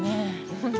本当。